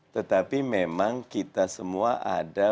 tetapi memang kita semua ada